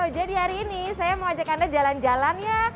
jadi hari ini saya mau ajak anda jalan jalan ya